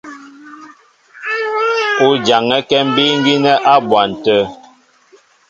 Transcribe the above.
U jaŋɛ́kɛ́ mbíí gínɛ́ á bwan tə̂.